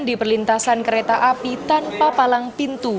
di perlintasan kereta api tanpa palang pintu